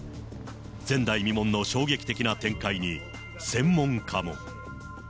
前代未聞の衝撃的な展開に専門家も。